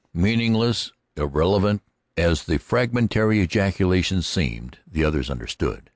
Meaningless, irrelevant, as that fragmentary ejaculation seemed, the others understood.